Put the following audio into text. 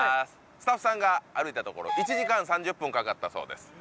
スタッフさんが歩いたところ１時間３０分かかったそうです